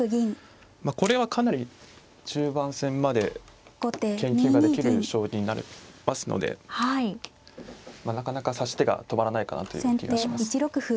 これはかなり中盤戦まで研究ができる将棋になりますのでなかなか指し手が止まらないかなという気がします。